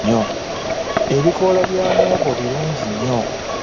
Ebikoola bya muwogo birungi nnyo.